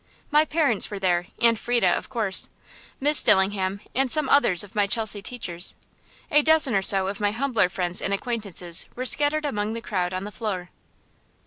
My parents were there, and Frieda, of course; Miss Dillingham, and some others of my Chelsea teachers. A dozen or so of my humbler friends and acquaintances were scattered among the crowd on the floor.